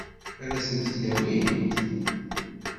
Ad sent-t-id-awint?